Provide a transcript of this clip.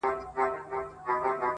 هغه مي خړ وطن سمسور غوښتی!!